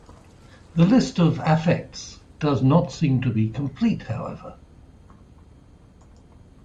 The list of affects does not seem to be complete, however.